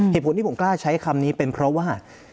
เหตุผลที่ผมกล้าใช้คำนี้เป็นเพราะว่า